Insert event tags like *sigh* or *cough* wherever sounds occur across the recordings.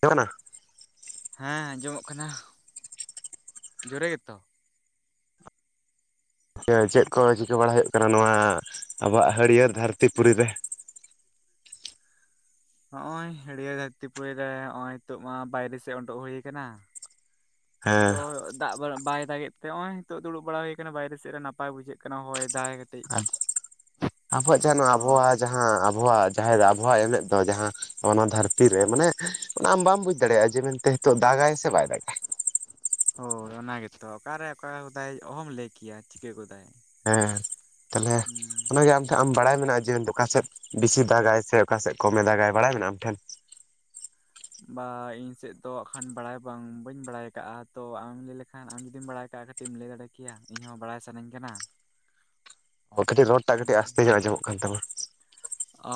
ᱠᱟᱱᱟ ᱦᱮᱸ ᱟᱸᱡᱚᱢᱚᱜ ᱠᱟᱱᱟ, ᱡᱳᱨᱮ ᱜᱮᱛᱚ? ᱪᱮᱫ ᱠᱚ ᱪᱤᱠᱟᱹ ᱵᱟᱲᱟ ᱦᱩᱭᱩᱜ ᱠᱟᱱᱟ ᱱᱚᱣᱟ ᱟᱵᱚᱣᱟᱜ ᱦᱟᱹᱨᱭᱟᱹᱲ ᱫᱷᱟᱹᱨᱛᱤ ᱯᱩᱨᱤ ᱨᱮ? ᱦᱚᱸᱜᱚᱭ ᱦᱟᱹᱲᱤᱭᱟᱹᱨ ᱫᱷᱟᱹᱨᱛᱤ ᱯᱩᱨᱤ ᱱᱚᱜ ᱚᱭ ᱱᱤᱛᱳᱜ ᱢᱟ ᱵᱟᱭᱨᱮ ᱥᱮᱜ ᱳᱰᱳᱜ ᱦᱳᱭ ᱠᱟᱱᱟ᱾ ᱦᱮᱸ ᱛᱚ ᱫᱟᱜ ᱵᱟᱭ ᱫᱟᱜᱮᱜ ᱛᱮ ᱱᱚᱜ ᱚᱭ ᱫᱩᱲᱩᱵ ᱵᱟᱲᱟ ᱦᱳᱭ ᱠᱟᱱᱟ ᱵᱟᱭᱨᱮ ᱥᱮᱜ ᱨᱮ ᱱᱟᱯᱟᱭ ᱵᱩᱡᱷᱟᱹᱜ ᱠᱟᱱᱟ ᱦᱚᱭ ᱫᱟᱭ ᱾ ᱟᱦ ᱟᱵᱚᱣᱟᱜ ᱡᱟᱱᱳ ᱦᱳᱭ ᱟᱵᱚᱭᱟᱜ ᱡᱟᱸ ᱦᱮᱸ ᱟᱵᱷᱚᱣᱟᱜ ᱡᱟᱦᱮᱨ ᱟᱵᱷᱚᱣᱟᱜ ᱮᱱᱮᱡᱽ ᱫᱚ ᱡᱟᱦᱟᱸ ᱱᱚᱣᱟ ᱫᱷᱟᱹᱨᱛᱤ ᱨᱮ ᱢᱟᱱᱮ ᱚᱱᱟ ᱟᱢ ᱵᱟᱢ ᱵᱩᱡᱽ ᱫᱟᱲᱮᱭᱟᱜᱼᱟ ᱡᱮ ᱢᱮᱱᱛᱮ ᱱᱤᱛᱚᱜ ᱫᱟᱜᱟᱭ ᱥᱮ ᱵᱟᱭ ᱫᱟᱜᱟ ᱾ ᱦᱳᱭ ᱚᱱᱟ ᱜᱮᱛᱚ ᱚᱠᱟᱨᱮ ᱚᱠᱟ ᱜᱚᱫᱟᱭ ᱚᱦᱚᱢ ᱞᱟᱹᱭ ᱠᱮᱭᱟ ᱪᱤᱠᱟᱹ ᱜᱚᱫᱟᱭ᱾ ᱦᱮᱸ ᱛᱟᱦᱚᱞᱮ ᱦᱩᱸ ᱚᱱᱟᱜᱮ ᱟᱢ ᱟᱢ ᱵᱟᱲᱟᱭ ᱢᱮᱱᱟᱜᱼᱟ ᱡᱮ ᱚᱠᱟᱥᱮᱫ ᱵᱮᱥᱤ ᱫᱟᱜᱟᱭ ᱥᱮ ᱚᱠᱟᱥᱮᱫ ᱠᱚᱢᱮ ᱫᱟᱜᱟᱭ ᱵᱟᱲᱟᱭ ᱢᱮᱱᱟᱜᱼᱟ ᱟᱢ ᱴᱷᱮᱱ? ᱵᱟ ᱤᱧ ᱥᱮᱫ ᱫᱚ ᱦᱟᱜ ᱠᱷᱟᱱ ᱵᱟᱲᱟᱭ ᱵᱟᱝ ᱵᱟᱹᱧ ᱵᱟᱲᱟᱭ ᱠᱟᱜᱼᱟ᱾ ᱛᱚ ᱟᱢᱮᱢ ᱞᱟᱹᱭ ᱞᱮᱠᱷᱟᱱ ᱟᱢ ᱡᱩᱫᱤᱢ ᱵᱟᱲᱟᱭ ᱠᱟᱜ ᱠᱷᱟᱜ? ᱠᱟᱹᱴᱤᱡ ᱮᱢ ᱞᱟᱹᱭ ᱫᱟᱲᱮ ᱠᱮᱭᱟ ᱤᱧ ᱦᱚᱸ ᱵᱟᱲᱟᱭ ᱥᱟᱱᱟᱧ ᱠᱟᱱᱟ᱾ ᱚ ᱠᱟᱹᱴᱤᱡ ᱨᱚᱲ ᱴᱟᱜ ᱠᱟᱹᱴᱤᱡ ᱟᱥᱛᱮ ᱧᱚᱜ ᱟᱸᱡᱚᱢᱚᱜ ᱠᱟᱱ ᱛᱟᱢᱟ᱾ ᱚ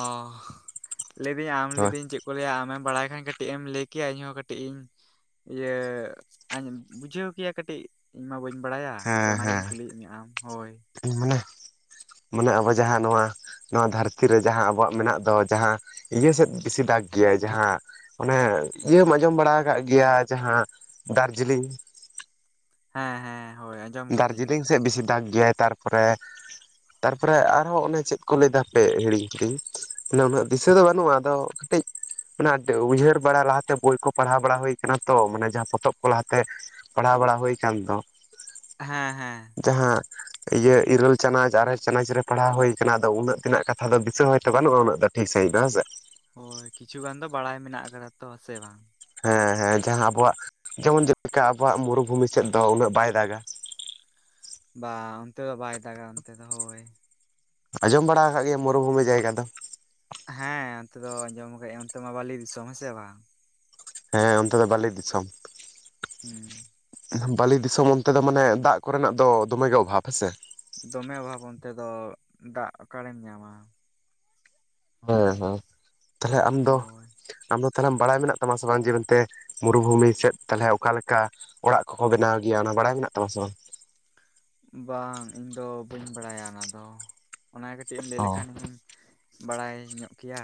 ᱞᱮᱭᱫᱤᱧ ᱟᱢ ᱦᱳᱭ ᱞᱮᱭᱫᱤᱧ ᱪᱮᱫᱽ ᱠᱚ ᱞᱟᱹᱭᱟ ᱟᱢᱮᱢ ᱵᱟᱲᱟᱭ ᱠᱷᱟᱱ ᱠᱟᱹᱴᱤᱡ ᱮᱢ ᱞᱟᱹᱭ ᱠᱮᱭᱟ ᱤᱧᱦᱚᱸ ᱠᱟᱹᱴᱤᱡ ᱤᱧ ᱤᱭᱟᱹ ᱟᱧ ᱵᱩᱡᱷᱟᱹᱣ ᱠᱮᱭᱟ ᱠᱟᱹᱴᱤᱡ᱾ ᱤᱧ ᱢᱟ ᱵᱟᱹᱧ ᱵᱟᱲᱟᱭᱟ ᱛᱚ ᱦᱮᱸ ᱚᱱᱟᱜᱤᱧ ᱦᱮᱸ ᱠᱩᱞᱤᱭᱮᱫ ᱢᱮ ᱟᱢ, ᱦᱳᱭ᱾ ᱢᱟᱱᱮ ᱢᱟᱱᱮ ᱟᱵᱚ ᱡᱟᱦᱟᱸ ᱱᱚᱣᱟ ᱱᱚᱣᱟ ᱫᱷᱟᱹᱨᱛᱤ ᱨᱮ ᱡᱟᱦᱟᱸ ᱟᱵᱚᱣᱟᱜ ᱢᱮᱱᱟᱜ ᱫᱚ ᱡᱟᱦᱟᱸ ᱤᱭᱟᱹ ᱥᱮᱫ ᱵᱮᱥᱤ ᱫᱟᱜᱽ ᱜᱮᱭᱟᱭ ᱡᱟᱦᱟᱸ, ᱚᱱᱮ ᱤᱭᱟᱹ ᱦᱚᱸᱢ ᱟᱸᱡᱚᱢ ᱵᱟᱲᱟ ᱠᱟᱜ ᱜᱮᱭᱟ ᱡᱟᱦᱟᱸ ᱫᱟᱨᱡᱤᱞᱤᱝ? ᱦᱮᱸ ᱦᱮᱸ ᱦᱳᱭ ᱟᱸᱡᱚᱢ ᱠᱟᱹᱫᱟᱹᱧ ᱫᱟᱨᱡᱤᱞᱤᱝ ᱥᱮᱫ ᱵᱮᱥᱤ ᱫᱟᱜ ᱜᱮᱭᱟᱭ ᱛᱟᱨᱯᱚᱨᱮ᱾ ᱛᱟᱨᱯᱚᱨᱮ ᱟᱨᱦᱚᱸ ᱚᱱᱮ ᱪᱮᱫ ᱠᱚ ᱞᱟᱹᱭ ᱫᱟ ᱦᱟᱯᱮ ᱦᱤᱲᱤᱧ ᱠᱤᱫᱟᱹᱧ ᱩᱱᱟᱹᱜ ᱫᱚ ᱫᱤᱥᱟᱹ ᱫᱚ ᱵᱟᱹᱱᱩᱜᱼᱟ ᱟᱫᱚ᱾ ᱠᱟᱹᱴᱤᱡ ᱚᱱᱟ ᱩᱭᱦᱟᱹᱨ ᱵᱟᱲᱟ ᱞᱟᱦᱟᱛᱮ ᱵᱳᱭ ᱠᱚ ᱯᱟᱲᱦᱟᱣ ᱵᱟᱲᱟ ᱦᱩᱭ ᱠᱟᱱᱟ ᱛᱚ ᱢᱟᱱᱮ ᱡᱟᱦᱟᱸ ᱯᱚᱛᱚᱵ ᱠᱚ ᱞᱟᱦᱟᱛᱮ᱾ ᱯᱟᱲᱦᱟᱣ ᱵᱟᱲᱟ ᱦᱩᱭ ᱠᱟᱱ ᱫᱚ᱾ ᱦᱮᱸ ᱦᱮᱸ᱾ ᱡᱟᱦᱟᱸ ᱤᱭᱟᱹ ᱤᱨᱟᱹᱞ ᱪᱟᱱᱟᱪ ᱟᱨᱮ ᱪᱟᱱᱟᱪ ᱨᱮ ᱯᱟᱲᱦᱟᱣ ᱦᱩᱭ ᱠᱟᱱᱟ ᱩᱱᱟᱹᱜ ᱛᱮᱱᱟᱜ ᱠᱟᱛᱷᱟ ᱫᱚ ᱫᱤᱥᱟᱹ ᱦᱚᱭ ᱛᱚ ᱵᱟᱹᱱᱩᱜᱼᱟ ᱩᱱᱟᱹᱜ ᱫᱚ᱾ ᱴᱷᱤᱠ ᱥᱟᱹᱦᱤᱡ ᱵᱟᱝ ᱥᱮ᱾ ᱦᱳᱭ ᱠᱤᱪᱷᱩ ᱜᱟᱱ ᱫᱚ ᱵᱟᱲᱟᱭ ᱢᱮᱱᱟᱜ ᱟᱠᱟᱫᱟ ᱛᱚ ᱥᱮ ᱵᱟᱝ? ᱦᱮᱸ ᱦᱮᱸ ᱡᱟᱦᱟᱸ ᱟᱵᱚᱣᱟᱜ ᱡᱮᱢᱚᱱ ᱡᱮᱞᱮᱠᱟ ᱟᱵᱚᱣᱟᱜ ᱢᱩᱨᱩᱵᱷᱩᱢᱤ ᱥᱮᱫ ᱫᱚ ᱩᱱᱟᱹᱜ ᱵᱟᱭ ᱫᱟᱜᱟ᱾ ᱵᱟᱝ ᱚᱱᱛᱮ ᱫᱚ ᱵᱟᱭ ᱫᱟᱜᱟ ᱚᱱᱛᱮ ᱫᱚ ᱦᱳᱭ᱾ ᱟᱸᱡᱚᱢ ᱵᱟᱲᱟ ᱟᱠᱟᱫ ᱜᱮᱭᱟᱢ ᱢᱚᱨᱩᱵᱷᱩᱢᱤ ᱡᱟᱭᱜᱟ ᱫᱚ᱾ ᱦᱮᱸ ᱚᱱᱛᱮ ᱫᱚ ᱟᱸᱡᱚᱢ ᱠᱟᱜ ᱟᱹᱧ ᱚᱱᱛᱮ ᱢᱟ ᱵᱟᱞᱤ ᱫᱤᱥᱚᱢ ᱦᱮᱸᱥᱮ ᱵᱟᱝ᱾ ᱦᱮᱸ ᱚᱱᱛᱮ ᱫᱚ ᱵᱟᱞᱤ ᱫᱤᱥᱚᱢ᱾ ᱦᱩᱸ ᱵᱟᱞᱤ ᱫᱤᱥᱚᱢ ᱚᱱᱛᱮ ᱫᱚ ᱢᱟᱱᱮ ᱫᱟᱜ ᱠᱚᱨᱮᱱᱟᱜ ᱫᱚ ᱫᱚᱢᱮ ᱜᱮ ᱚᱵᱷᱟᱵᱽ ᱦᱮᱥᱮ᱾ ᱫᱚᱢᱮ ᱚᱵᱷᱟᱵ ᱚᱱᱛᱮ ᱫᱚ ᱫᱟᱜ ᱚᱠᱟᱲᱮᱢ ᱧᱟᱢᱟ᱾ ᱦᱮᱸ ᱦᱮᱸ ᱛᱟᱦᱚᱞᱮ ᱟᱢ ᱫᱚ ᱦᱳᱭ ᱟᱢ ᱫᱚ ᱛᱟᱦᱚᱞᱮ ᱵᱟᱲᱟᱭ ᱢᱮᱱᱟᱜ ᱛᱟᱢᱟ ᱥᱮ ᱵᱟᱝ ᱡᱮ ᱢᱮᱱᱛᱮ᱾ ᱢᱩᱨᱩᱵᱷᱩᱢᱤ ᱥᱮᱫ ᱛᱟᱦᱚᱞᱮ ᱚᱠᱟ ᱞᱮᱠᱟ ᱚᱲᱟᱜ ᱠᱚᱠᱚ ᱵᱮᱱᱟᱣ ᱜᱮᱭᱟ ᱚᱱᱟ ᱵᱟᱲᱟᱭ ᱢᱮᱱᱟᱜ ᱛᱟᱢᱟ ᱥᱮ ᱵᱟᱝ᱾ ᱵᱟᱝ ᱤᱧ ᱫᱚ ᱵᱟᱹᱧ ᱵᱟᱲᱟᱭᱟ ᱚᱱᱟ ᱫᱚ, ᱚᱱᱟ ᱠᱟᱹᱴᱤᱡ ᱮᱢ ᱞᱟᱹᱭ ᱚ ᱞᱮᱠᱷᱟᱱ᱾ ᱵᱟᱲᱟᱭ ᱧᱚᱜ ᱠᱮᱭᱟ᱾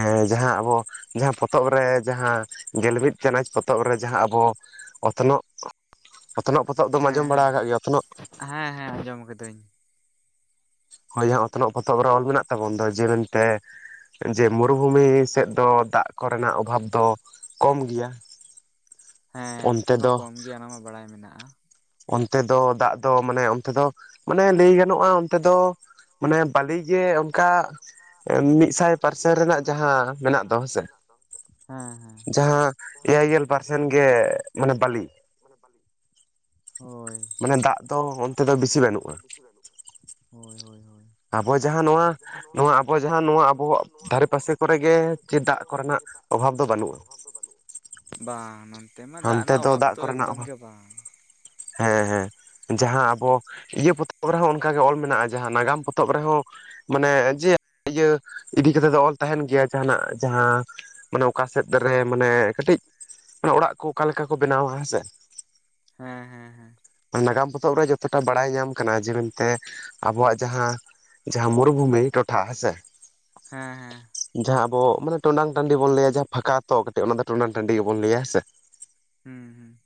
ᱦᱮᱸ ᱡᱟᱦᱟᱸ ᱟᱵᱚ ᱡᱟᱦᱟᱸ ᱯᱚᱛᱚᱵ ᱨᱮ ᱡᱟᱦᱟᱸ ᱜᱮᱞ ᱢᱤᱫ ᱪᱟᱱᱟᱪ ᱯᱚᱛᱚᱵ ᱨᱮ ᱡᱟᱦᱟᱸ ᱟᱵᱚ᱾ ᱚᱛᱱᱚᱜ, ᱚᱛᱱᱚᱜ ᱯᱚᱛᱚᱵ ᱫᱚᱢ ᱦᱮᱸ ᱟᱸᱡᱚᱢ ᱵᱟᱲᱟ ᱦᱮᱸ ᱟᱠᱟᱫ ᱜᱮᱭᱟ ᱚᱛᱱᱚᱜ᱾ ᱦᱮᱸ ᱦᱮᱸ ᱟᱸᱡᱚᱢ ᱠᱟᱹᱫᱟᱹᱧ᱾ ᱦᱳᱭ ᱡᱟᱦᱟᱸ ᱚᱛᱱᱚᱜ ᱯᱚᱛᱚᱵ ᱨᱮ ᱚᱞ ᱢᱮᱱᱟᱜ ᱛᱟᱵᱚᱱ ᱫᱚ ᱡᱮ ᱢᱮᱱᱛᱮ᱾ ᱡᱮ ᱢᱩᱨᱩᱵᱷᱩᱢᱤ ᱥᱮᱫ ᱫᱚ ᱫᱟᱜ ᱠᱚᱨᱮᱱᱟᱜ ᱚᱵᱷᱟᱵᱽ ᱫᱚ ᱠᱚᱢ ᱜᱮᱭᱟ᱾ ᱦᱮᱸ ᱚᱱᱛᱮ ᱢᱟ ᱠᱚᱢ ᱜᱮ ᱚᱱᱟ ᱢᱟ ᱵᱟᱲᱟᱭ ᱢᱮᱱᱟᱜᱼᱟ᱾ ᱚᱱᱛᱮ ᱫᱚ ᱫᱟᱜ ᱫᱚ ᱢᱟᱱᱮ ᱚᱱᱛᱮ ᱫᱚ ᱢᱟᱱᱮ ᱞᱟᱹᱭ ᱜᱟᱱᱚᱜᱼᱟ ᱚᱱᱛᱮ ᱫᱚ᱾ ᱢᱟᱱᱮ ᱵᱟᱞᱤ ᱜᱮ ᱚᱱᱠᱟ᱾ ᱚᱱᱠᱟ ᱢᱤᱫᱥᱟᱭ ᱯᱟᱨᱥᱮᱱ ᱢᱤᱫᱥᱟᱭ ᱨᱮᱱᱟᱜ ᱯᱟᱨᱥᱮᱱ ᱨᱮᱱᱟᱜ ᱡᱟᱦᱟᱸ ᱢᱮᱱᱟᱜ ᱫᱚ ᱡᱟᱦᱟᱸ ᱦᱮᱸᱥᱮ ᱢᱮᱱᱟᱜ ᱛᱟᱢ ᱥᱮ ᱦᱮᱸ ᱦᱮᱸ᱾ ᱡᱟᱦᱟᱸ ᱮᱭᱟᱭ ᱡᱟᱦᱟᱸ ᱜᱮᱞ ᱮᱭᱟᱭ ᱯᱟᱨᱥᱮᱱ ᱜᱮᱞ ᱜᱮ ᱯᱟᱸᱪ ᱢᱟᱱᱮ ᱜᱮ ᱵᱟᱹᱞᱤ ᱢᱟᱱᱮ ᱵᱟᱞᱤ᱾ ᱦᱳᱭ, ᱢᱟᱱᱮ ᱫᱟᱜ ᱫᱚ ᱢᱟᱱᱮ ᱫᱟᱜ ᱚᱱᱛᱮ ᱫᱚ ᱵᱮᱥᱤ ᱵᱟᱹᱱᱩᱜᱼᱟ ᱚᱱᱛᱮ ᱵᱮᱥᱤ ᱵᱟᱹᱱᱜ-ᱟ ᱦᱳᱭ ᱦᱳᱭ᱾ ᱟᱵᱚ ᱡᱟᱦᱟᱸ ᱱᱚᱣᱟ᱾ ᱱᱚᱣᱟ ᱟᱵᱚ ᱡᱟᱦᱟᱸ ᱱᱚᱣᱟ ᱟᱵᱚᱣᱟᱜ ᱫᱷᱟᱨᱮ ᱯᱟᱥᱮ ᱠᱚᱨᱮ ᱜᱮ ᱪᱮᱫ ᱫᱟᱜ ᱠᱚᱨᱮᱱᱟᱜ ᱚᱵᱷᱟᱵᱽ ᱫᱚ ᱵᱟᱹᱱᱩᱜᱼᱟ᱾ ᱚᱵᱷᱟᱵᱽ ᱫᱚ ᱵᱟᱱᱩᱜ ᱵᱟᱝ ᱱᱚᱱᱛᱮ ᱢᱟ ᱫᱟᱜ ᱦᱟᱱᱛᱮ ᱨᱮᱱᱟᱜ ᱚᱵᱷᱟᱵᱽ ᱫᱟᱜ ᱫᱚ ᱠᱚᱨᱮᱱᱟᱜ ᱮᱠᱫᱚᱢ ᱚᱵᱷᱟᱵᱽ ᱜᱮ ᱵᱟᱝ᱾ ᱦᱮᱸ ᱦᱮᱸ᱾ ᱡᱟᱦᱟᱸ ᱟᱵᱚ ᱤᱭᱟᱹ ᱯᱚᱛᱚᱵ ᱨᱮᱦᱚᱸ ᱚᱱᱠᱟᱜᱮ ᱚᱞ ᱢᱮᱱᱟᱜᱼᱟ ᱡᱟᱦᱟᱸ ᱱᱟᱜᱟᱢ ᱯᱚᱛᱚᱵ ᱨᱮᱦᱚᱸ᱾ ᱢᱟᱱᱮ ᱡᱮ ᱤᱭᱟᱹ ᱤᱫᱤ ᱠᱟᱛᱮᱜ ᱫᱚ ᱚᱞ ᱛᱟᱦᱮᱱ ᱜᱮᱭᱟ ᱡᱟᱦᱟᱸ ᱱᱟᱜ ᱡᱟᱦᱟᱸ᱾ ᱢᱟᱱᱮ ᱚᱠᱟ ᱥᱮᱫ ᱨᱮ ᱢᱟᱱᱮ ᱠᱟᱹᱴᱤᱡ ᱚᱲᱟᱜ ᱠᱚ ᱚᱠᱟ ᱞᱮᱠᱟ ᱠᱚ ᱵᱮᱱᱟᱣᱟ ᱦᱮᱸᱥᱮ᱾ ᱦᱮᱸ ᱦᱮᱸ᱾ ᱦᱮᱸ ᱱᱟᱜᱟᱢ ᱯᱚᱛᱚᱵ ᱨᱮ ᱡᱚᱛᱚᱴᱟ ᱵᱟᱲᱟᱭ ᱧᱟᱢ ᱠᱟᱱᱟ ᱡᱮ ᱢᱮᱱᱛᱮ ᱟᱵᱚᱣᱟᱜ ᱡᱟᱦᱟᱸ᱾ ᱡᱟᱦᱟᱸ ᱢᱩᱨᱩᱵᱷᱩᱢᱤ ᱴᱚᱴᱷᱟ ᱦᱮᱸ ᱥᱮ᱾ ᱦᱮᱸ ᱦᱮᱸ᱾ ᱡᱟᱦᱟᱸ ᱟᱵᱚ, ᱢᱟᱱᱮ ᱴᱚᱰᱟᱝ ᱴᱟᱺᱰᱤ ᱵᱚᱱ ᱞᱟᱹᱭᱟ ᱡᱟᱦᱟᱸ ᱯᱷᱟᱠᱟ ᱛᱚ ᱠᱟᱹᱴᱤᱡ ᱚᱱᱟ ᱫᱚ ᱴᱚᱰᱟᱝ ᱴᱟᱺᱰᱤ ᱜᱮᱵᱚᱱ ᱞᱟᱹᱭᱟ ᱦᱮᱸ ᱥᱮ᱾ ᱦᱩᱸ ᱦᱩᱸ᱾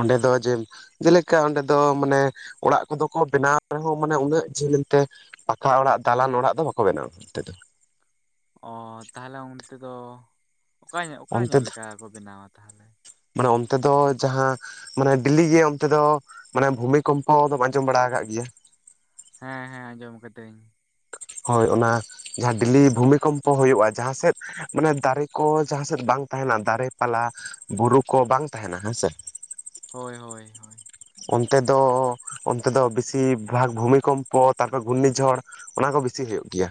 ᱚᱸᱰᱮ ᱫᱚ ᱡᱮᱹᱢ ᱡᱮᱞᱮᱠᱟ ᱚᱸᱰᱮ ᱫᱚ ᱢᱟᱱᱮ ᱚᱲᱟᱜ ᱠᱚᱫᱚ ᱠᱚ ᱵᱮᱱᱟᱣ ᱨᱮᱦᱚᱸ ᱢᱟᱱᱮ ᱩᱱᱟᱹᱜ ᱡᱷᱟᱹᱞ ᱮᱱᱛᱮ ᱯᱟᱠᱟ ᱚᱲᱟᱜ ᱫᱟᱞᱟᱱ ᱚᱲᱟᱜ ᱫᱚ ᱵᱟᱠᱚ ᱵᱮᱱᱟᱣᱟ ᱚᱱᱛᱮ ᱫᱚ᱾ ᱚᱻ ᱛᱟᱦᱞᱮ ᱚᱱᱛᱮ ᱫᱚ, ᱚᱠᱟ ᱧᱚᱜ ᱚᱠᱟ ᱚᱱᱛᱮ ᱧᱚᱜ ᱫᱚ ᱞᱮᱠᱟ ᱠᱚ ᱵᱮᱱᱟᱣᱟ ᱛᱟᱦᱞᱮ? ᱢᱟᱱᱮ ᱚᱱᱛᱮ ᱫᱚ ᱡᱟᱸᱦᱟᱸ ᱢᱟᱱᱮ ᱰᱮᱞᱤᱜᱮ ᱚᱱᱛᱮ ᱫᱚ ᱢᱟᱱᱮ ᱵᱷᱩᱢᱤᱠᱚᱢᱯᱚ ᱫᱚᱢ ᱟᱸᱡᱚᱢ ᱵᱟᱲᱟ ᱟᱠᱟᱫ ᱜᱮᱭᱟ? ᱦᱮᱸ ᱦᱮᱸ ᱟᱸᱡᱚᱢ ᱠᱟᱹᱫᱟᱹᱧ᱾ ᱦᱚᱭ ᱚᱱᱟ ᱡᱟᱸᱦᱟᱸ ᱰᱮᱞᱤ ᱵᱷᱩᱢᱤᱠᱚᱢᱯᱚ ᱦᱩᱭᱩᱜᱼᱟ ᱡᱟᱸᱦᱟᱸ ᱥᱮᱫ ᱢᱟᱱᱮ ᱫᱟᱨᱮ ᱠᱚ ᱡᱟᱦᱟᱸ ᱥᱮᱫ ᱵᱟᱝ ᱛᱟᱦᱮᱸᱱᱟ ᱫᱟᱨᱮ ᱯᱟᱞᱟ, ᱵᱩᱨᱩ ᱠᱚ ᱵᱟᱝ ᱛᱟᱦᱮᱸᱱᱟ ᱦᱮᱸ ᱥᱮ᱾ ᱦᱚᱭ ᱦᱚᱭ ᱦᱚᱭ᱾ ᱚᱱᱛᱮ ᱫᱚ ᱚᱱᱛᱮ ᱫᱚ ᱵᱤᱥᱤ ᱵᱷᱟᱜᱽ ᱵᱷᱩᱢᱤᱠᱚᱢᱯᱚ ᱛᱟᱨᱯᱚᱨ ᱜᱷᱩᱨᱱᱤ ᱡᱷᱚᱲ ᱚᱱᱟ ᱠᱚ ᱵᱤᱥᱤ ᱦᱩᱭᱩᱜ ᱜᱮᱭᱟ᱾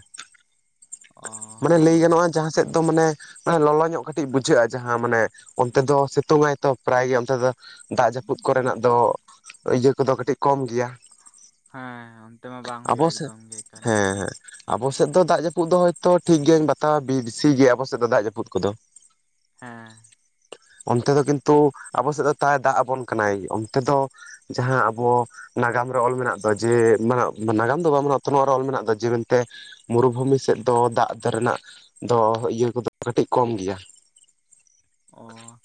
ᱚ ᱢᱟᱱᱮ ᱞᱟᱹᱭ ᱦᱳᱭ ᱜᱟᱱᱚᱜᱼᱟ ᱡᱟᱦᱟᱸ ᱥᱮᱫ ᱫᱚ ᱢᱟᱱᱮ ᱢᱟᱱᱮ ᱞᱚᱞᱚ ᱧᱚᱜ ᱠᱟᱹᱴᱤᱡ ᱵᱩᱡᱷᱟᱹᱜᱼᱟ ᱡᱟᱦᱟᱸ ᱢᱟᱱᱮ ᱚᱱᱛᱮ ᱫᱚ ᱥᱤᱛᱩᱝᱟᱭ ᱛᱚ ᱯᱨᱟᱭ ᱜᱮ ᱚᱱᱛᱮ ᱫᱚ᱾ ᱫᱟᱜ ᱡᱟᱹᱯᱩᱫ ᱠᱚᱨᱮᱱᱟᱜ ᱫᱚ ᱤᱭᱟᱹ ᱠᱚᱫᱚ ᱠᱟᱹᱴᱤᱡ ᱠᱚᱢ ᱜᱮᱭᱟ᱾ ᱦᱮᱸ ᱚᱱᱛᱮ ᱢᱟ ᱵᱟᱝ ᱦᱩᱭᱩᱜᱼᱟ ᱟᱵᱚ ᱥᱮᱫ ᱮᱠᱫᱚᱢ ᱜᱮ ᱮᱠᱟᱞ ᱧᱚᱜ ᱦᱮᱸ ᱜᱮ᱾ ᱦᱮᱸ ᱟᱵᱚ ᱥᱮᱫ ᱫᱚ ᱫᱟᱜ ᱡᱟᱹᱯᱩᱫ ᱫᱚ ᱦᱚᱭᱛᱚ ᱴᱷᱤᱠ ᱜᱮᱭᱟᱧ ᱵᱟᱛᱟᱣᱟ ᱵᱤ ᱵᱤᱥᱤ ᱜᱮᱭᱟ ᱟᱵᱚ ᱥᱮᱫ ᱫᱚ ᱫᱟᱜ ᱡᱟᱹᱯᱩᱫ ᱠᱚᱫᱚ? ᱦᱮᱸ ᱚᱱᱛᱮ ᱫᱚ ᱠᱤᱱᱛᱩ ᱟᱵᱚ ᱥᱮᱫ ᱫᱚ ᱛᱟᱭ ᱫᱟᱜ ᱟᱵᱚᱱ ᱠᱟᱱᱟᱭ ᱚᱱᱛᱮ ᱫᱚ ᱡᱟᱦᱟᱸ ᱟᱵᱚ ᱱᱟᱜᱟᱢ ᱨᱮ ᱚᱞ ᱢᱮᱱᱟᱜᱼᱟ ᱫᱚ ᱡᱮ ᱢᱟᱱᱮ ᱢᱟ ᱱᱟᱜᱟᱢ ᱫᱚ ᱵᱟᱝ ᱟᱵᱚᱱᱟᱜ ᱛᱚᱱᱚᱜ ᱨᱮ ᱚᱞ ᱢᱮᱱᱟᱜ ᱫᱚ ᱡᱮ ᱢᱮᱱᱛᱮ ᱢᱩᱨᱩᱵᱷᱩᱢᱤ ᱥᱮᱫ ᱫᱚ ᱫᱟᱜ ᱫᱷᱟᱨᱮᱱᱟᱜ ᱫᱚ ᱤᱭᱟᱹ ᱠᱚᱫᱚ ᱠᱟᱹᱴᱤᱡ ᱠᱚᱢ ᱜᱮᱭᱟ᱾ ᱚ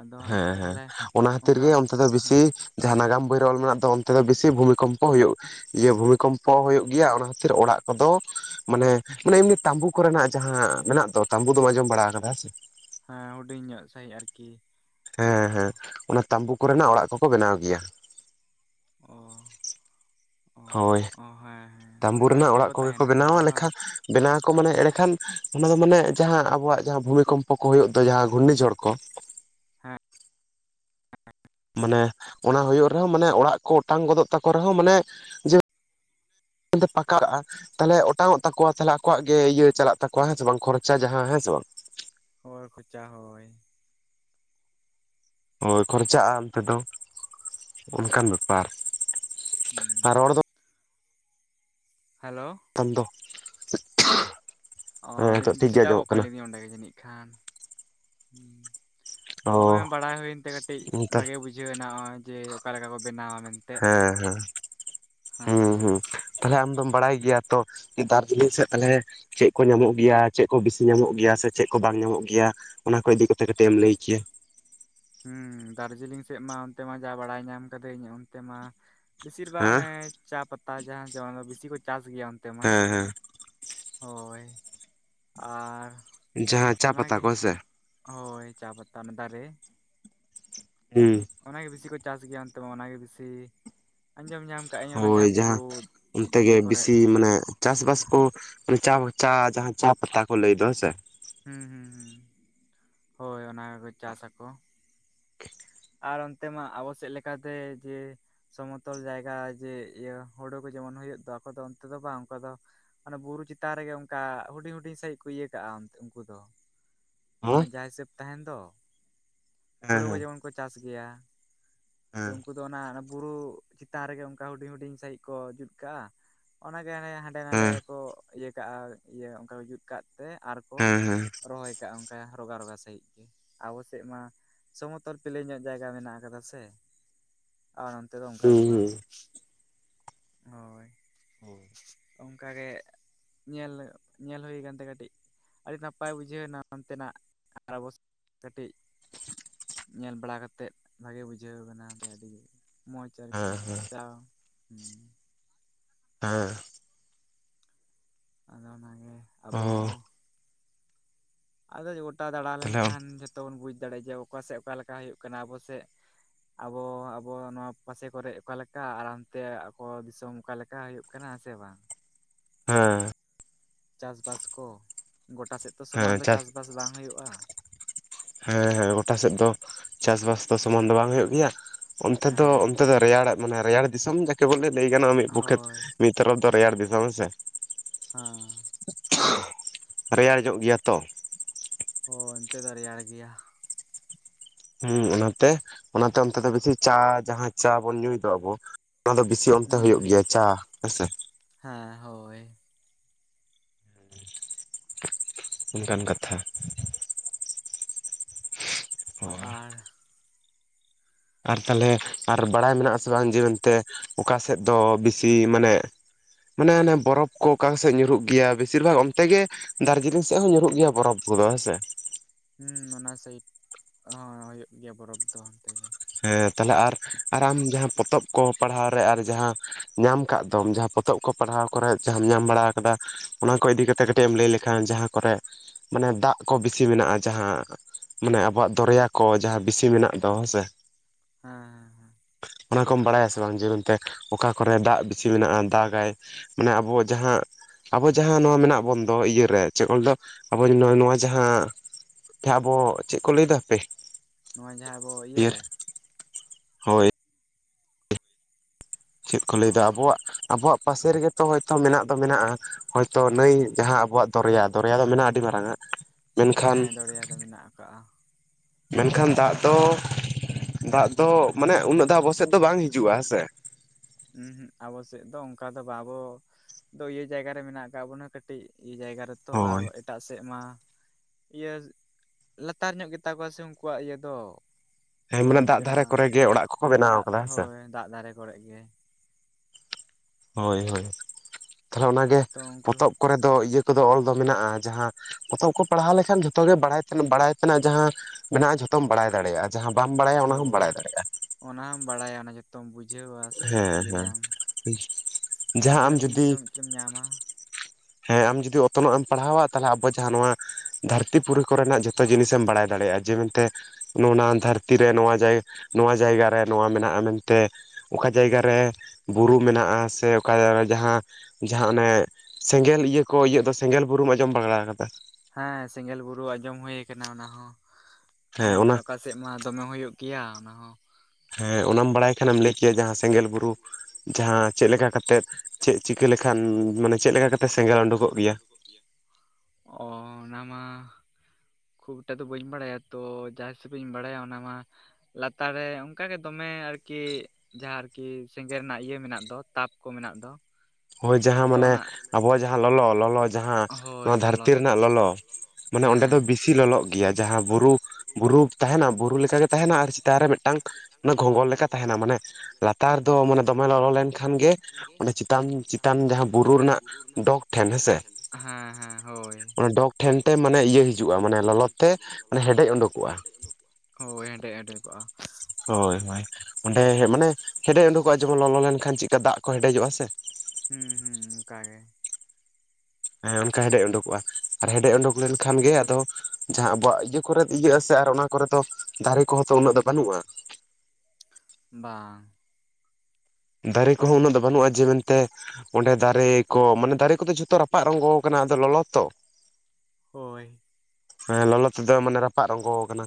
ᱟᱫᱚ ᱦᱮᱸ ᱦᱮᱸ ᱛᱟᱦᱚᱞᱮ ᱚᱱᱟ ᱠᱷᱟᱹᱛᱤᱨ ᱚᱱᱠᱟ ᱜᱮ ᱚᱱᱛᱮ ᱫᱚ ᱵᱤᱥᱤ ᱦᱮᱸ ᱡᱟᱦᱟᱸ ᱱᱟᱜᱟᱢ ᱵᱳᱭ ᱨᱮ ᱚᱞ ᱢᱮᱱᱟᱜ ᱫᱚ ᱚᱱᱛᱮ ᱫᱚ ᱵᱤᱥᱤ ᱵᱷᱩᱢᱤᱠᱚᱢᱯᱚ ᱦᱩᱭᱳᱜ ᱤᱭᱟᱹ ᱵᱷᱩᱢᱤᱠᱚᱢᱯᱚ ᱦᱳᱭᱳᱜ ᱜᱮᱭᱟ ᱚᱱᱟ ᱠᱷᱟᱛᱤᱨ ᱚᱲᱟᱜ ᱠᱚᱫᱚ ᱢᱟᱱᱮ ᱢᱟᱱᱮ ᱮᱢᱱᱤ ᱛᱟᱸᱵᱩ ᱠᱚᱨᱮᱱᱟᱜ ᱡᱟᱸᱦᱟᱸ ᱢᱮᱱᱟᱜ ᱫᱚ ᱛᱟᱸᱵᱩ ᱫᱚᱢ ᱟᱸᱡᱚᱢ ᱵᱟᱲᱟ ᱣᱟᱠᱟᱫᱟ ᱦᱮᱸ ᱥᱮ? ᱦᱮᱸ ᱦᱩᱰᱤᱧ ᱧᱚᱜ ᱥᱟᱹᱦᱤᱡ ᱟᱨᱠᱤ᱾ ᱚ ᱦᱮᱸ ᱦᱮᱸ ᱚᱱᱟ ᱛᱟᱸᱵᱩ ᱠᱚᱨᱮᱱᱟᱜ ᱚᱲᱟᱜ ᱠᱚᱠᱚ ᱵᱮᱱᱟᱣ ᱜᱮᱭᱟ᱾ ᱚ *unintelligible* ᱦᱳᱭ ᱚ ᱦᱮᱸ ᱦᱮᱸ ᱛᱟᱸᱵᱩ ᱚᱱᱠᱟ ᱨᱮᱱᱟᱜ ᱠᱟᱛᱮᱜ ᱚᱲᱟᱜ ᱠᱚᱜᱮ ᱠᱚ ᱛᱟᱦᱮᱱᱟ ᱵᱮᱱᱟᱣᱟ ᱛᱟᱦᱚᱞᱮ ᱵᱟᱝ ᱞᱮᱠᱷᱟ ᱵᱮᱱᱟᱣ ᱟᱠᱚ ᱢᱟᱱᱮ ᱮᱸᱲᱮᱠᱷᱟᱱ ᱚᱱᱟ ᱫᱚ ᱢᱟᱱᱮ ᱡᱟᱦᱟᱸ ᱟᱵᱚᱣᱟᱜ ᱡᱟᱦᱟᱸ ᱵᱷᱩᱢᱤᱠᱢᱯᱚ ᱠᱚ ᱦᱩᱭᱩᱜ ᱫᱚ ᱡᱟᱦᱟᱸ ᱜᱷᱩᱨᱱᱤ ᱡᱷᱚᱲ ᱠᱚ᱾ ᱦᱮᱸ ᱢᱟᱱᱮ ᱚᱱᱟ ᱦᱩᱭᱩᱜ ᱨᱮᱦᱚᱸ ᱢᱟᱱᱮ ᱚᱲᱟᱜ ᱠᱚ ᱚᱴᱟᱝ ᱜᱚᱫᱚᱜ ᱛᱟᱠᱚ ᱨᱮᱦᱚᱸ ᱢᱟᱱᱮ ᱡᱮ ᱢᱮᱱᱛᱮ ᱯᱟᱠᱟᱣ ᱟᱠᱟᱜ-ᱟ᱾ ᱛᱟᱦᱞᱮ ᱚᱴᱟᱝ ᱚᱜ ᱛᱟᱠᱚᱣᱟ ᱛᱟᱦᱞᱮ ᱟᱠᱚᱣᱟᱜ ᱜᱮ ᱤᱭᱟᱹ ᱪᱟᱞᱟᱜ ᱛᱟᱠᱚᱣᱟ ᱦᱮᱸ ᱥᱮ ᱵᱟᱝ ᱠᱷᱚᱨᱪᱟ ᱡᱟᱸᱦᱟᱸ ᱦᱮᱸ ᱥᱮ ᱵᱟᱝ? ᱦᱳᱭ ᱠᱷᱚᱪᱟ ᱦᱳᱭ᱾ ᱦᱳᱭ ᱠᱷᱚᱨᱪᱟᱜᱼᱟ ᱚᱱᱛᱮ ᱫᱚ, ᱚᱱᱠᱟᱱ ᱵᱮᱯᱟᱨ᱾ ᱟᱨ ᱦᱩᱸ ᱨᱚᱲ ᱫᱚ ᱦᱮᱞᱳ ᱟᱢ ᱫᱚ *unintelligible* ᱚᱻ ᱦᱮᱸ ᱱᱤᱛᱚᱜ ᱞᱟᱹᱭᱫᱟᱹᱧ ᱴᱷᱤᱠ ᱜᱮ ᱰᱤᱥᱴᱟᱵᱚᱜ ᱟᱸᱡᱚᱢᱚᱜ ᱠᱟᱱᱟ ᱞᱟᱹᱭᱤᱫᱟᱹᱧ ᱚᱸᱰᱮ ᱜᱮ ᱡᱟᱹᱱᱤᱡ ᱠᱷᱟᱱ ᱦᱩᱸ᱾ ᱦᱚᱸ ᱚ ᱮᱢ ᱵᱟᱲᱟᱭ ᱦᱩᱭᱮᱱ ᱛᱮ ᱠᱟᱹᱴᱤᱡ ᱛᱟᱦᱚᱞᱮ ᱵᱷᱟᱜᱮ ᱵᱩᱡᱷᱟᱹᱣ ᱮᱱᱟ ᱱᱚᱜᱼᱚᱭ ᱡᱮ ᱚᱠᱟ ᱞᱮᱠᱟ ᱠᱚ ᱵᱮᱱᱟᱣᱟ ᱢᱮᱱ ᱦᱮᱸ ᱦᱮᱸ ᱦᱩᱸ ᱦᱩᱸ ᱛᱟᱦᱞᱮ ᱟᱢ ᱫᱚᱢ ᱵᱟᱲᱟᱭ ᱜᱮᱭᱟ ᱛᱚ ᱡᱮ ᱫᱟᱨᱡᱤᱞᱤᱝ ᱥᱮᱫ ᱛᱟᱦᱞᱮ ᱪᱮᱜ ᱠᱚ ᱧᱟᱢᱚᱜ ᱜᱮᱭᱟ, ᱪᱮᱜ ᱠᱚ ᱵᱮᱥᱤ ᱧᱟᱢᱚᱜ ᱜᱮᱭᱟ, ᱥᱮ ᱪᱮᱜ ᱠᱚ ᱵᱟᱝ ᱧᱟᱢᱚᱜ ᱜᱮᱭᱟ? ᱚᱱᱟ ᱠᱚ ᱤᱫᱤ ᱠᱟᱛᱮᱜ ᱠᱟᱹᱴᱤᱡ ᱮᱢ ᱞᱟᱹᱭ ᱠᱮᱭᱟ? ᱦᱩᱸ ᱫᱟᱨᱡᱤᱞᱤᱝ ᱥᱮᱜ ᱢᱟ ᱚᱱᱛᱮ ᱢᱟ ᱡᱟ ᱵᱟᱲᱟᱭ ᱧᱟᱢ ᱠᱟᱹᱫᱟᱹᱧ ᱚᱱᱛᱮ ᱢᱟ ᱵᱮᱥᱤᱨ ᱵᱷᱟᱜᱽ ᱦᱮᱸ ᱚᱱᱮ ᱪᱟ ᱯᱟᱛᱟ ᱡᱟᱦᱟᱸ ᱡᱚ ᱵᱮᱥᱤ ᱠᱚ ᱪᱟᱥ ᱜᱮᱭᱟ ᱚᱱᱛᱮ ᱢᱟ᱾ ᱦᱮᱸ ᱦᱮᱸ ᱦᱳᱭ ᱟᱨ ᱡᱟᱦᱟᱸ ᱪᱟ ᱯᱟᱛᱟ ᱚᱱᱟᱜᱮ ᱠᱚ ᱦᱮᱸ ᱥᱮ? ᱦᱳᱭ ᱪᱟ ᱯᱟᱛᱟ ᱚᱱᱟ ᱫᱟᱨᱮ᱾ ᱦᱩᱸ ᱚᱱᱟᱜᱮ ᱵᱮᱥᱤ ᱠᱚ ᱪᱟᱥ ᱜᱮᱭᱟ, ᱚᱱᱛᱮ ᱢᱟ ᱚᱱᱟᱜᱮ ᱵᱮᱥᱤ ᱟᱸᱡᱚᱢ ᱧᱟᱢ ᱠᱟᱜ ᱟᱹᱧ ᱚᱱᱟ ᱦᱳᱭ ᱵᱩᱨᱩ ᱡᱟᱦᱟᱸ ᱚᱱᱛᱮ ᱤᱭᱟᱹ ᱜᱮ ᱠᱚᱨᱮᱜ ᱵᱮᱥᱤ ᱢᱟᱱᱮ ᱪᱟᱥ ᱵᱟᱥ ᱠᱚ ᱪᱟ ᱪᱟ ᱡᱟᱦᱟᱸ ᱪᱟ ᱯᱟᱛᱟ ᱠᱚ ᱞᱟᱹᱭ ᱫᱚ ᱦᱮᱸ ᱥᱮ᱾ ᱦᱩᱸ ᱦᱩᱸ ᱦᱩᱸ ᱦᱳᱭ ᱚᱱᱟ ᱜᱮᱠᱚ ᱪᱟᱥᱟ ᱠᱚ᱾ ᱟᱨ ᱚᱱᱛᱮ ᱢᱟ ᱟᱵᱚ ᱥᱮᱜ ᱞᱮᱠᱟᱛᱮ ᱡᱮ ᱥᱚᱢᱚᱛᱚᱞ ᱡᱟᱭᱜᱟ ᱡᱮ ᱤᱭᱟᱹ ᱦᱩᱲᱩ ᱠᱚ ᱡᱮᱢᱚᱱ ᱦᱩᱭᱩᱜ ᱫᱚ ᱟᱠᱚ ᱫᱚ ᱚᱱᱛᱮ ᱫᱚ ᱵᱟᱝ ᱚᱝᱠᱟ ᱫᱚ ᱢᱟᱱᱮ ᱵᱩᱨᱩ ᱪᱮᱛᱟᱱ ᱨᱮᱜᱮ ᱚᱝᱠᱟ ᱦᱩᱰᱤᱧ ᱦᱩᱰᱤᱧ ᱥᱟᱺᱦᱤᱡ ᱠᱚ ᱤᱭᱟᱹ ᱠᱟᱜᱼᱟ ᱩᱝᱠᱩ ᱫᱚ᱾ ᱚᱱᱟ ᱦᱮᱸ ᱡᱟ ᱦᱤᱥᱟᱹᱵ ᱛᱟᱦᱮᱱ ᱫᱚ ᱦᱩᱲᱳ ᱦᱮᱸ ᱠᱚ ᱦᱮᱸ ᱡᱮᱢᱚᱱ ᱠᱚ ᱪᱟᱥ ᱜᱮᱭᱟ᱾ ᱛᱚ ᱦᱮᱸ ᱩᱝᱠᱩ ᱫᱚ ᱚᱱᱟ ᱵᱩᱨᱩ ᱪᱮᱛᱟᱱ ᱨᱮᱜᱮ ᱚᱝᱠᱟ ᱦᱩᱰᱤᱧ ᱦᱩᱰᱤᱧ ᱥᱟᱹᱦᱤᱡ ᱠᱚ ᱡᱩᱛ ᱠᱟᱜᱼᱟ ᱚᱱᱟᱜᱮ ᱦᱟᱱᱮ ᱰᱮ ᱱᱟᱸᱰᱮ ᱦᱮᱸ ᱠᱚ ᱤᱭᱟᱹ ᱠᱟᱜᱼᱟ ᱤᱭᱟᱹ ᱚᱝᱠᱟ ᱠᱚ ᱡᱩᱛ ᱠᱟᱜ ᱛᱮ ᱟᱨ ᱠᱚ ᱦᱮᱸ ᱦᱮᱸ ᱨᱚᱦᱚᱭ ᱠᱟᱜᱼᱟ ᱚᱝᱠᱟ ᱨᱚᱜᱟ ᱨᱚᱜᱟ ᱥᱟᱹᱦᱤᱛ ᱜᱤ ᱟᱵᱚ ᱥᱮᱜ ᱢᱟ ᱥᱚᱢᱚᱛᱚᱞ ᱯᱞᱮ ᱧᱚᱜ ᱡᱟᱭᱜᱟ ᱢᱮᱱᱟᱜ ᱠᱟᱫᱟ ᱥᱮ᱾ ᱟᱨ ᱚᱱᱛᱮ ᱫᱚ ᱚᱝᱠᱟ ᱫᱚ ᱵᱟᱝ ᱦᱩᱸ ᱦᱳᱭ᱾ ᱦᱩ ᱚᱝᱠᱟ ᱜᱮ ᱧᱮᱞ ᱧᱮᱞ ᱦᱩᱭᱩ ᱠᱟᱱᱛᱮ ᱠᱟᱹᱴᱤᱜ ᱟᱹᱰᱤ ᱱᱟᱯᱟᱭ ᱵᱩᱡᱷᱟᱹᱣᱱᱟ ᱚᱱᱛᱮᱱᱟᱜ *unintelligible* ᱠᱟᱹᱴᱤᱜ᱾ ᱧᱮᱞ ᱵᱟᱲᱟ ᱠᱟᱛᱮᱜ ᱵᱷᱟᱜᱮ ᱵᱩᱡᱷᱟᱹᱣ ᱠᱟᱱᱟᱛᱮ ᱟᱹᱰᱤ ᱢᱚᱸᱡᱽ ᱟᱨᱠᱤ ᱦᱮᱸ ᱦᱮᱸ ᱪᱟ ᱦᱩᱸ ᱦᱮᱸ ᱟᱫᱚ ᱚᱱᱟᱜᱮ ᱚ ᱟᱵᱚ ᱦᱚᱸ ᱟᱫᱚ ᱜᱚᱴᱟ ᱫᱟᱬᱟ ᱛᱟᱦᱞᱮ ᱞᱮᱱᱠᱷᱟᱱ ᱡᱷᱚᱛᱚ ᱵᱚᱱ ᱵᱩᱡᱽ ᱫᱟᱲᱮᱭᱟᱜᱼᱟ ᱡᱮ ᱚᱠᱟᱥᱮᱜ ᱚᱠᱟ ᱞᱮᱠᱟ ᱦᱩᱭᱩᱜ ᱠᱟᱱᱟ ᱟᱵᱚ ᱥᱮᱜ ᱟᱵᱚ ᱟᱵᱚ ᱱᱚᱣᱟ ᱯᱟᱥᱮ ᱠᱚᱨᱮᱜ ᱚᱠᱟᱞᱮᱠᱟ ᱟᱨ ᱚᱱᱛᱮ ᱟᱠᱚ ᱫᱤᱥᱚᱢ ᱚᱠᱟᱞᱮᱠᱟ ᱦᱩᱭᱩᱜ ᱠᱟᱱᱟ ᱥᱮ ᱵᱟᱝ? ᱦᱮᱸ ᱪᱟᱥ ᱵᱟᱥ ᱠᱚ ᱜᱚᱴᱟ ᱥᱮᱫ ᱛᱚ ᱥᱚᱢᱟᱱ ᱦᱮᱸ ᱫᱚ ᱪᱟᱥ ᱪᱟᱥᱵᱟᱥ ᱵᱟᱝ ᱦᱩᱭᱩᱜᱼᱟ᱾ ᱦᱮᱸ ᱦᱮᱸ ᱜᱚᱴᱟ ᱥᱮᱫ ᱫᱚ ᱪᱟᱥᱵᱟᱥ ᱫᱚ ᱥᱚᱢᱟᱱ ᱫᱚ ᱵᱟᱝ ᱦᱩᱭᱩᱜ ᱜᱮᱭᱟ᱾ ᱚᱱᱛᱮ ᱫᱚ ᱦᱮᱸ ᱚᱱᱛᱮ ᱫᱚ ᱨᱮᱭᱟᱲᱟ ᱢᱟᱱᱮ ᱨᱮᱭᱟᱲ ᱫᱤᱥᱚᱢ ᱡᱟᱠᱮ ᱵᱚᱞᱮ ᱞᱟᱹᱭ ᱜᱟᱱᱚᱜᱼᱟ ᱢᱤᱫ ᱯᱚᱠᱠᱷᱮ ᱦᱳᱭ ᱢᱤᱫ ᱛᱚᱨᱚᱯ ᱫᱚ ᱨᱮᱭᱟᱲ ᱫᱤᱥᱚᱢ ᱦᱮᱸ ᱥᱮ᱾ ᱦᱟᱸ ᱨᱮᱭᱟᱲ ᱧᱚᱜ ᱜᱮᱭᱟ ᱛᱚ᱾ ᱚ ᱚᱱᱛᱮ ᱫᱚ ᱨᱭᱟᱲ ᱜᱮᱭᱟ᱾ ᱦᱩᱸ ᱚᱱᱟᱛᱮ ᱚᱱᱟᱛᱮ ᱚᱱᱛᱮ ᱫᱚ ᱵᱮᱥᱤ ᱪᱟ ᱡᱟᱦᱟᱸ ᱪᱟ ᱵᱚᱱ ᱧᱩᱭ ᱫᱚ ᱟᱵᱚ ᱚᱱᱟ ᱫᱚ ᱵᱮᱥᱤ ᱚᱱᱛᱮ ᱦᱩᱸ ᱦᱩᱭᱩᱜ ᱦᱩᱸ ᱜᱮᱭᱟ ᱪᱟ ᱦᱮᱸᱥᱮ᱾ ᱦᱮᱸ ᱦᱳᱭ, ᱚᱱᱠᱟᱱ ᱠᱟᱛᱷᱟ, ᱟᱨ ᱟᱨ ᱛᱟᱞᱦᱮ ᱟᱨ ᱵᱟᱲᱟᱭ ᱢᱮᱱᱟᱜ ᱟᱥᱮ ᱵᱟᱝ ᱡᱮ ᱢᱮᱱᱛᱮ ᱚᱠᱟ ᱥᱮᱫ ᱫᱚ ᱵᱮᱥᱤ ᱢᱟᱱᱮ ᱢᱟᱱᱮ ᱚᱱᱮ ᱵᱚᱨᱚᱯᱷ ᱠᱚ ᱚᱠᱟ ᱥᱮᱫ ᱧᱩᱨᱩᱜ ᱜᱮᱭᱟ ᱵᱮᱥᱤᱨ ᱵᱷᱟᱜ ᱚᱱᱛᱮ ᱜᱮ ᱫᱟᱨᱡᱤᱞᱤᱝ ᱥᱮᱫ ᱦᱚᱸ ᱧᱩᱨᱩᱜ ᱜᱮᱭᱟ ᱵᱚᱨᱚᱯᱷ ᱠᱚᱫᱚ ᱦᱮᱸᱥᱮ, ᱦᱮᱸ ᱚᱱᱟ ᱥᱟᱭᱤᱰ ᱦᱚᱸ ᱦᱩᱭᱩᱜ ᱜᱮᱭᱟ ᱵᱚᱨᱚᱯᱷ ᱫᱚ ᱚᱱᱛᱮ ᱜᱮ᱾ ᱦᱮᱸ ᱛᱟᱞᱦᱮ ᱟᱨ ᱟᱨ ᱟᱢ ᱡᱟᱦᱟᱸ ᱯᱚᱛᱚᱵ ᱠᱚ ᱯᱟᱲᱦᱟᱣ ᱨᱮ ᱟᱨ ᱡᱟᱦᱟᱸ ᱧᱟᱢ ᱠᱟᱜ ᱫᱚᱢ ᱡᱟᱦᱟᱸ ᱯᱚᱛᱚᱵ ᱠᱚ ᱯᱟᱲᱦᱟᱣ ᱠᱚᱨᱮ ᱡᱟᱦᱟᱸᱟᱢ ᱧᱟᱢ ᱵᱟᱲᱟᱣ ᱠᱟᱫᱟ ᱚᱱᱟ ᱠᱚ ᱤᱫᱤ ᱠᱟᱛᱮ ᱠᱟᱹᱴᱤᱡ ᱮᱢ ᱞᱟᱹᱭ ᱞᱮᱠᱷᱟᱱ ᱡᱟᱦᱟᱸ ᱠᱚᱨᱮ ᱢᱟᱱᱮ ᱫᱟᱜ ᱠᱚ ᱵᱮᱥᱤ ᱢᱮᱱᱟᱜᱼᱟ ᱡᱟᱦᱟᱸ ᱢᱟᱱᱮ ᱟᱵᱚᱣᱟᱜ ᱫᱚᱨᱭᱟ ᱠᱚ ᱡᱟᱦᱟᱸ ᱵᱮᱥᱤ ᱢᱮᱱᱟᱜ ᱫᱚ ᱦᱮᱸᱥᱮ, ᱦᱮᱸ ᱦᱮᱸ ᱦᱮᱸ, ᱚᱱᱟ ᱠᱚᱢ ᱵᱟᱲᱟᱭᱟᱥᱮ ᱵᱟᱝ ᱡᱮ ᱢᱮᱱᱛᱮ ᱚᱠᱟ ᱠᱚᱨᱮ ᱫᱟᱜ ᱵᱤᱪᱷᱤ ᱢᱮᱱᱟᱜᱼᱟ ᱫᱟᱜᱟᱭ? ᱢᱟᱱᱮ ᱟᱵᱚᱣᱟᱜ ᱡᱟᱦᱟᱸ, ᱟᱵᱚ ᱡᱟᱦᱟᱸ ᱱᱚᱣᱟ ᱢᱮᱱᱟᱜ ᱵᱚᱱ ᱫᱚ ᱤᱭᱟᱹᱨᱮ ᱪᱮᱫ ᱠᱚ ᱞᱟᱹᱭ ᱫᱚ ᱟᱵᱚ ᱱᱚᱣᱟ ᱡᱟᱦᱟᱸ ᱟᱵᱚ ᱪᱮᱫ ᱠᱚ ᱞᱟᱹᱭ ᱫᱚ ᱦᱟᱯᱮ ᱱᱚᱣᱟ ᱡᱟᱦᱟᱸ ᱟᱵᱚ ᱤᱭᱟᱹ ᱤᱭᱟᱹᱨᱮ? ᱦᱳᱭ, ᱪᱮᱫ ᱠᱚ ᱞᱟᱹᱭ ᱚ ᱫᱟ ᱟᱵᱚᱣᱟᱜ ᱟᱵᱚᱣᱟᱜ ᱯᱟᱥᱮ ᱨᱮᱜᱮ ᱛᱚ ᱦᱭᱛᱳ ᱢᱮᱱᱟᱜ ᱫᱚ ᱢᱮᱱᱟᱜᱼᱟ ᱾ᱦᱳᱭᱛᱳ ᱱᱟᱹᱭ ᱡᱟᱦᱟᱸ ᱟᱵᱚᱣᱟᱜ ᱫᱚᱨᱭᱟ ᱫᱚᱨᱭᱟ ᱫᱚ ᱢᱮᱱᱟᱜᱼᱟ ᱟᱹᱰᱤ ᱢᱟᱨᱟᱝ ᱟᱜ᱾ ᱢᱮᱱᱠᱷᱟᱱ ᱦᱮᱸ ᱫᱚᱨᱭᱟ ᱫᱚ ᱢᱮᱱᱟᱜ ᱟᱠᱟᱜ-ᱟ᱾ ᱢᱮᱱᱠᱷᱟᱱ ᱫᱟᱜ ᱫᱚ ᱫᱟᱜ ᱫᱚ ᱢᱟᱱᱮ ᱩᱱᱟᱹᱜ ᱫᱟᱜ ᱟᱵᱚᱥᱮᱫ ᱫᱚ ᱵᱟᱝ ᱦᱤᱡᱩᱜᱼᱟ ᱦᱮᱸᱥᱮ᱾ ᱟᱵᱚ ᱥᱮᱫ ᱫᱚ ᱚᱱᱠᱟ ᱫᱚ ᱵᱟᱝ ᱟᱵᱳ ᱫᱚ ᱤᱭᱟᱹ ᱡᱟᱭᱜᱟ ᱨᱮ ᱢᱮᱱᱟᱜ ᱟᱠᱟᱫ ᱵᱚᱱᱟ ᱠᱟᱹᱴᱤᱡ ᱮ ᱡᱟᱭᱜᱟ ᱨᱮᱛᱚ, ᱟᱨ ᱦᱳᱭ ᱮᱴᱟᱜ ᱥᱮᱫ ᱢᱟ ᱤᱭᱟᱹ ᱞᱟᱛᱟᱨ ᱧᱚᱜ ᱜᱮᱛᱟ ᱠᱚᱣᱟ ᱥᱮ ᱩᱱᱠᱩᱣᱟᱜ ᱤᱭᱟᱹ ᱫᱚ᱾ ᱦᱮᱸ ᱛᱚ ᱢᱟᱱᱮ ᱫᱟᱜ ᱚᱱᱛᱮ ᱢᱟ, ᱫᱷᱟᱨᱮ ᱠᱚᱨᱮ ᱜᱮ ᱚᱲᱟᱜ ᱠᱚᱠᱚ ᱵᱮᱱᱟᱣ ᱫᱟᱜ ᱟᱠᱟᱫᱟ ᱦᱮᱸ ᱥᱮ ᱦᱳᱭ ᱫᱟᱜ ᱫᱟᱨᱮ ᱠᱚᱨᱮᱜ ᱜᱮ, ᱦᱳᱭ ᱦᱳᱭ, ᱛᱟᱦᱞᱮ ᱚᱱᱟᱜᱮ ᱛᱚ ᱩᱱᱠᱩ ᱯᱚᱛᱚᱵ ᱠᱚᱨᱮ ᱫᱚ ᱤᱭᱟᱹ ᱠᱚᱫᱚ ᱚᱞ ᱫᱚ ᱢᱮᱱᱟᱜᱼᱟ ᱡᱟᱦᱟᱸ ᱯᱚᱛᱚᱵ ᱠᱚ ᱯᱟᱲᱦᱟᱣ ᱞᱮᱠᱷᱟᱱ ᱡᱷᱚᱛᱚ ᱜᱮ ᱵᱟᱲᱟᱭ ᱛᱮᱱᱟᱜ ᱡᱟᱦᱟᱸ ᱢᱮᱱᱟᱜᱼᱟ ᱡᱷᱚᱛᱚᱢ ᱵᱟᱲᱟᱭ ᱫᱟᱲᱮᱭᱟᱜᱼᱟ᱾ ᱡᱟᱦᱟᱸ ᱵᱟᱢ ᱵᱟᱲᱟᱭᱟ ᱚᱱᱟ ᱦᱚᱸᱢ ᱦᱳᱭ ᱵᱟᱲᱟᱭ ᱫᱟᱲᱮᱭᱟᱜᱼᱟ᱾ ᱚᱱᱟ ᱦᱚᱸᱢ ᱵᱟᱲᱟᱭᱟ ᱚᱱᱟ ᱡᱚ ᱛᱚᱴ ᱵᱩᱡᱷᱟᱹᱣᱟ ᱥᱮ ᱦᱮᱸ ᱦᱮᱸ ᱤᱭᱟᱹᱭᱟᱢ, ᱡᱟᱦᱟᱸ ᱟᱢ ᱥᱤᱠᱷᱱᱟᱹᱛ ᱡᱩᱫᱤ ᱡᱤᱱᱤᱥ ᱦᱚᱸᱢ ᱠᱮᱢ ᱧᱟᱢᱟ᱾ *inaudible* ᱦᱮᱸ ᱟᱢ ᱡᱩᱫᱤ ᱚᱛᱱᱟᱜᱚᱜ ᱮᱢ ᱯᱟᱲᱦᱟᱣᱟ, ᱛᱟᱦᱚᱞᱮ ᱟᱵᱚ ᱡᱟᱦᱟᱸ ᱱᱚᱣᱟ ᱫᱷᱟᱹᱨᱛᱤ ᱯᱩᱨᱤ ᱠᱚᱨᱮᱱᱟᱜ ᱡᱚᱛᱚ ᱡᱤᱱᱤᱥᱮᱢ ᱵᱟᱲᱟᱭ ᱫᱟᱲᱮᱭᱟᱜᱼᱟ᱾ ᱡᱮ ᱢᱮᱱᱛᱮ ᱱᱚᱜ ᱱᱚᱣᱟ ᱫᱷᱟᱹᱨᱛᱤ ᱨᱮ ᱱᱚᱣᱟ ᱡᱟᱭ ᱱᱚᱣᱟ ᱡᱟᱭᱜᱟᱟᱨ ᱨᱮ ᱱᱚᱣᱟ ᱢᱮᱱᱟᱜᱼᱟ ᱢᱮᱱᱛᱮ᱾ ᱚᱠᱟ ᱡᱟᱭᱜᱟ ᱨᱮ ᱵᱩᱨᱩ ᱢᱮᱱᱟᱜᱼᱟ, ᱥᱮ ᱚᱠᱟᱟᱭᱜᱟ ᱨᱮ ᱡᱟᱦᱟᱸ ᱡᱟᱦᱟᱸ ᱚᱱᱮ ᱥᱮᱸᱜᱮᱞ ᱤᱭᱟᱹ ᱠᱚ ᱤᱭᱟᱹᱟᱹᱜ ᱫᱚ, ᱥᱮᱸᱜᱮᱞ ᱵᱩᱨᱩᱢ ᱟᱸᱡᱚᱢ ᱵᱟᱲᱟ ᱠᱟᱫᱟ? ᱦᱮᱸ ᱥᱮᱸᱜᱮᱞ ᱵᱩᱨᱩ ᱟᱸᱡᱚᱢ ᱦᱩ ᱟᱠᱟᱱᱟ ᱚᱱᱟ ᱦᱚᱸ᱾ ᱦᱮᱸ ᱚᱱᱛᱮ ᱚᱱᱟ ᱚᱠᱟ ᱥᱮᱫ ᱢᱟ ᱫᱚᱢᱮ ᱦᱩᱭᱩᱜ ᱜᱮᱭᱟ ᱚᱱᱟ ᱦᱚᱸ᱾ ᱦᱮᱸ ᱚᱱᱟᱢ ᱵᱟᱲᱟᱭ ᱠᱷᱟᱱᱮᱢ ᱞᱟᱹᱭ ᱠᱮᱭᱟ, ᱡᱟᱦᱟᱸ ᱥᱮᱸᱜᱮᱞ ᱵᱩᱨᱩ ᱡᱟᱦᱟᱸ ᱪᱮᱫᱞᱮᱠᱟ ᱠᱟᱛᱮᱫ ᱪᱮᱫ ᱪᱤᱠᱟᱹ ᱞᱮᱠᱷᱟᱱ ᱢᱟᱱᱮ ᱪᱮᱫᱞᱮᱠᱟ ᱠᱟᱛᱮ ᱥᱮᱸᱜᱮᱞ ᱩᱸᱰᱩᱠᱚᱜ ᱜᱮᱭᱟ? ᱚ ᱚᱱᱟ ᱢᱟ ᱠᱷᱩᱵᱽ ᱮᱴᱟ ᱫᱚ ᱵᱟᱹᱧ ᱵᱟᱲᱟᱭᱟ, ᱛᱚ ᱡᱟᱦᱟᱸ ᱦᱤᱥᱟᱹᱵ ᱤᱧ ᱵᱟᱲᱟᱭᱟ ᱚᱱᱟ ᱢᱟ ᱞᱟᱛᱟᱨ ᱨᱮ ᱚᱱᱠᱟ ᱜᱮ ᱫᱚᱢᱮ ᱟᱨᱠᱤ ᱡᱟᱦᱟᱸ ᱟᱨᱠᱤ ᱥᱮᱸᱜᱮᱞ ᱨᱮᱱᱟᱜ ᱤᱭᱟᱹ ᱢᱮᱱᱟᱜ ᱫᱚ ᱛᱟᱯ ᱠᱚ ᱢᱮᱱᱟᱜ ᱫᱚ᱾ ᱦᱳᱭ ᱡᱟᱦᱟᱸᱟ ᱛᱚ ᱢᱟᱱᱮ ᱚᱱᱟ ᱟᱵᱚ ᱡᱟᱦᱟᱸᱟᱦᱟ ᱞᱚᱞᱚ ᱞᱚᱞᱚ, ᱡᱟᱦᱟᱸ ᱦᱳᱭ ᱱᱚᱣᱟ ᱞᱚᱞᱚ ᱫᱷᱟᱹᱨᱛᱤ ᱨᱮᱱᱟᱜ ᱞᱚᱞᱚ, ᱢᱟᱱᱮ ᱚᱸᱰᱮ ᱫᱚ ᱦᱮᱸ ᱵᱮᱥᱤ ᱞᱚᱞᱚᱜ ᱜᱮᱭᱟ ᱡᱟᱦᱟᱸ ᱵᱩᱨᱩ ᱵᱩᱨᱩ ᱛᱟᱦᱮᱱᱟ ᱵᱩᱨᱩ ᱞᱮᱠᱟ ᱜᱮ ᱛᱟᱦᱮᱱᱟ, ᱟᱨ ᱪᱮᱛᱟᱱ ᱨᱮ ᱢᱤᱫᱴᱟᱝ ᱚᱱᱟ ᱜᱷᱚᱝᱜᱚᱞ ᱞᱮᱠᱟ ᱛᱟᱦᱮᱱᱟ, ᱢᱟᱱᱮ ᱞᱟ ᱛᱟᱨ ᱫᱚ ᱢᱟᱱᱮ ᱫᱚᱢᱮ ᱞᱚᱞᱚ ᱞᱮᱱᱠᱷᱟᱱ ᱜᱮ ᱚᱱᱮ ᱪᱮᱛᱟᱱ ᱪᱮᱛᱟᱱ ᱡᱟᱦᱟᱸ ᱵᱩᱨᱩ ᱨᱮᱱᱟᱜ ᱰᱚᱜᱽ ᱴᱷᱮᱱ ᱦᱮᱸᱥᱮ? ᱴᱷᱮᱱ ᱦᱮᱸ ᱦᱮᱸ ᱦᱳᱭ, ᱰᱚᱜᱽ ᱚᱱᱟ ᱴᱷᱮᱱ ᱫᱚ ᱛᱮ ᱢᱟᱱᱮ ᱤᱭᱟᱹ ᱴᱷᱮᱱ ᱦᱤᱡᱩᱜᱼᱟ ᱴᱮ ᱢᱟᱱᱮ ᱤᱭᱟᱹ ᱞᱚᱞᱚ ᱛᱮ ᱦᱤᱡᱩᱜᱼᱟ ᱢᱟᱱᱮ ᱞᱚᱞᱚ ᱛᱮ ᱦᱮᱰᱮᱡ ᱩᱰᱩᱠᱚᱜᱼᱟ ᱦᱮᱰᱮᱡ ᱩᱰᱩᱠᱚᱜᱼᱟ, ᱦᱳᱭ ᱦᱮᱰᱮᱜ ᱦᱮᱰᱮᱜ ᱠᱚᱚᱜᱼᱟ᱾ ᱦᱳᱭ ᱦᱳᱭ, ᱚᱸᱰᱮ ᱢᱟᱱᱮ ᱦᱮᱰᱮᱜ ᱩᱰᱩᱠᱚᱜᱼᱟ ᱡᱮᱢᱚᱱ ᱞᱚᱞᱚ ᱞᱮᱱᱠᱷᱟᱱ ᱪᱮᱜᱠᱟ ᱫᱟᱜ ᱠᱚ ᱦᱮᱰᱮᱡᱚᱜᱼᱟ ᱥᱮ᱾ ᱦᱩᱸ ᱦᱩᱸ ᱚᱝᱠᱟ ᱜᱮ᱾ ᱦᱮᱸ ᱚᱱᱠᱟ ᱦᱮᱰᱮᱜ ᱩᱰᱩᱠᱚᱜᱼᱟ᱾ ᱟᱨ ᱦᱮᱰᱮᱜ ᱩᱰᱩᱠ ᱞᱮᱱᱠᱷᱟᱱ ᱜᱮ ᱟᱫᱚ ᱡᱟᱦᱟᱸ ᱟᱵᱚᱣᱟᱜ ᱤᱭᱟᱹ ᱠᱚᱨᱮᱫ ᱤᱭᱟᱹᱜ ᱟᱥᱮ ᱟᱨ ᱚᱱᱟ ᱠᱚᱨᱮ ᱫᱚ ᱫᱟᱨᱮ ᱠᱚᱦᱚᱸ ᱛᱚ ᱩᱱᱟᱹᱜ ᱫᱚ ᱵᱟᱹᱱᱩᱜᱼᱟ᱾ ᱵᱟᱝ ᱫᱟᱨᱮ ᱠᱚᱦᱚᱸ ᱩᱱᱟᱹᱜ ᱫᱚ ᱵᱟᱹᱱᱩᱜᱼᱟ ᱡᱮ ᱢᱮᱱᱛᱮ ᱚᱸᱰᱮ ᱫᱟᱨᱮ ᱠᱚ ᱢᱟᱱᱮ ᱫᱟᱨᱮ ᱠᱚᱫᱚ ᱡᱷᱚᱛᱚ ᱨᱟᱯᱟᱜ ᱨᱚᱝᱜᱚᱣ ᱠᱟᱱᱟ ᱟᱫᱚ ᱞᱚᱞᱚ ᱛᱚ᱾ ᱦᱳᱭ ᱦᱮᱸ ᱞᱚᱞᱚ ᱛᱮᱫᱚ ᱢᱟᱱᱮ ᱨᱟᱯᱟᱜ ᱨᱚᱝᱜᱚᱣ ᱠᱟᱱᱟ᱾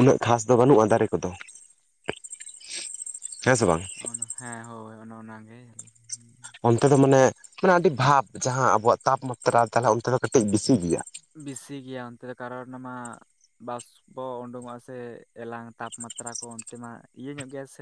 ᱩᱱᱟᱹᱜ ᱠᱷᱟᱥ ᱫᱚ ᱵᱟᱹᱱᱩᱜᱼᱟ ᱫᱟᱨᱮ ᱠᱚᱫᱚ᱾ ᱦᱮᱸ ᱥᱮ ᱵᱟᱝ? ᱚᱱ ᱦᱮᱸ ᱦᱳᱭ ᱚᱱᱮ ᱚᱱᱟᱜ ᱜᱮ ᱚᱱᱛᱮ ᱫᱚ ᱢᱟᱱᱮ ᱢᱟᱱᱮ ᱟᱹᱰᱤ ᱵᱷᱟᱵ ᱡᱟᱦᱟᱸ ᱟᱵᱚᱣᱟᱜ ᱛᱟᱯᱢᱟᱛᱨᱟ ᱛᱟᱦᱞᱮ ᱚᱱᱛᱮ ᱫᱚ ᱠᱟᱹᱴᱤᱡ ᱵᱤᱥᱤ ᱜᱮᱭᱟ᱾ ᱵᱮᱥᱤ ᱜᱮᱭᱟ, ᱚᱱᱛᱮ ᱫᱚ ᱠᱟᱨᱚᱱ ᱢᱟ ᱵᱟᱥᱯᱚ ᱩᱰᱩᱝᱚᱜᱼᱟ ᱥᱮ ᱮᱞᱟᱝ ᱛᱟᱯᱢᱟᱛᱨᱟ ᱠᱚ ᱚᱱᱛᱮ ᱢᱟ ᱤᱭᱟᱹ ᱧᱚᱜ ᱜᱮᱭᱟ ᱥᱮ